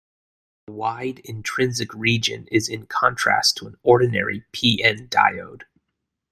The wide intrinsic region is in contrast to an ordinary p-n diode.